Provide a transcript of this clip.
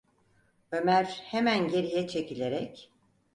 Ömer hemen geriye çekilerek: